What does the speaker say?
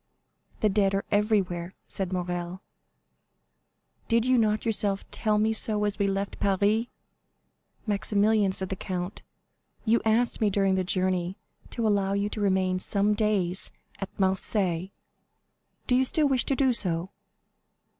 "The dead are everywhere," said Morrel; "did you not yourself tell me so as we left Paris?" "Maximilian," said the count, "you asked me during the journey to allow you to remain some days at Marseilles. Do you still wish to do so?"